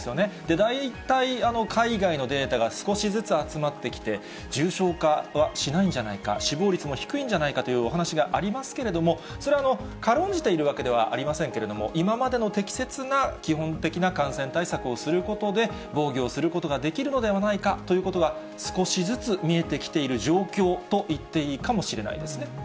大体海外のデータが少しずつ集まってきて、重症化はしないんじゃないか、死亡率も低いんじゃないかというお話がありますけれども、それは軽んじているわけではありませんけれども、今までの適切な基本的な感染対策をすることで、防御をすることができるのではないかということが少しずつ見えてきている状況と言っていいかもしれないですね。